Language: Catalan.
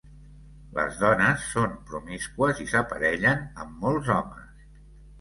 Les dones són promíscues i s'aparellen amb molts homes.